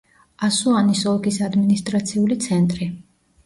ასუანის ოლქის ადმინისტრაციული ცენტრი.